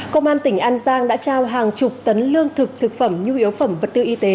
công an tỉnh an giang đã trao hàng chục tấn lương thực thực phẩm nhu yếu phẩm vật tư y tế